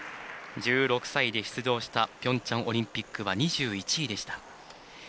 １６歳で出場したピョンチャンオリンピックは２１位でした。